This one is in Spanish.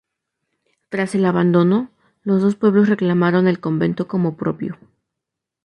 Tras el abandono, los dos pueblos reclamaron el convento como propio.